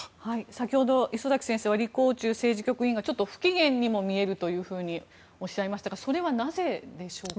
先ほど礒崎先生はリ・コウチュウ政治局委員が不機嫌にも見えるとおっしゃいましたがそれはなぜでしょうか。